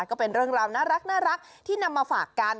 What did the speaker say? ก็เป็นเรื่องราวน่ารักที่นำมาฝากกัน